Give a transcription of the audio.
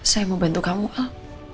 saya mau bantu kamu al